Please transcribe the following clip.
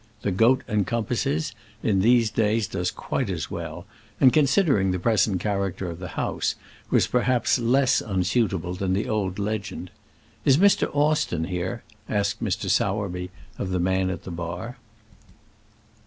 The "Goat and Compasses" in these days does quite as well; and, considering the present character of the house, was perhaps less unsuitable than the old legend. "Is Mr. Austen here?" asked Mr. Sowerby of the man at the bar.